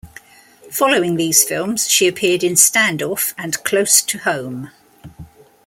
Following these films, she appeared in "Standoff" and "Close to Home".